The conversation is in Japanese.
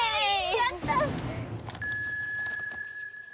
やった！